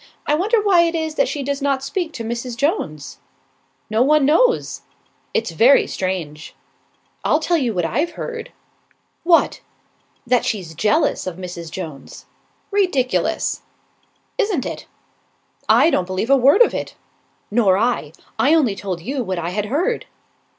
I wonder why it is that she does not speak to Mrs. Jones." "No one knows." "It's very strange." "I'll tell you what I've heard." "What?" "That she's jealous of Mrs. Jones." "Ridiculous!" "Isn't it." "I don't believe a word of it." "Nor I. I only told you what I had heard."